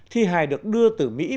thi hài được đưa từ mỹ